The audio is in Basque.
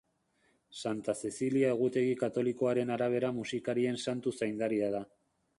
Santa Zezilia egutegi katolikoaren arabera musikarien santu zaindaria da.